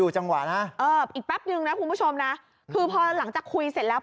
จังหวะนะเอออีกแป๊บนึงนะคุณผู้ชมนะคือพอหลังจากคุยเสร็จแล้ว